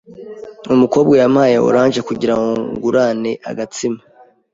Umukobwa yampaye orange kugirango ngurane agatsima.